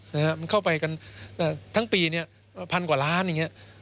นะฮะมันเข้าไปกันทั้งปีเนี้ยพันกว่าล้านอย่างเงี้ย